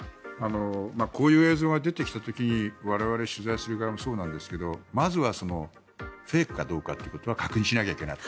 こういう映像が出てきた時に我々、取材する側もそうなんですけどまずはフェイクかどうかってことは確認しないといけない。